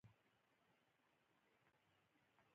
د کشري زوی واده و.